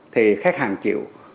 thì khách hàng chịu